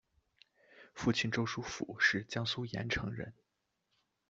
父亲周书府是江苏盐城人。